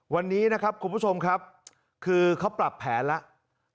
วันนี้นะครับคุณผู้ชมครับคือเขาปรับแผนแล้ว